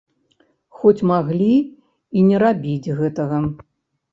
Хоць маглі і не рабіць гэтага.